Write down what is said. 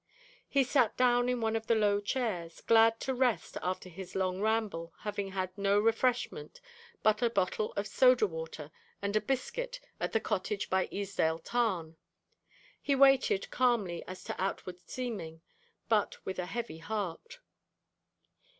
He sat down in one of the low chairs, glad to rest after his long ramble having had no refreshment but a bottle of soda water and a biscuit at the cottage by Easedale Tarn. He waited, calmly as to outward seeming, but with a heavy heart.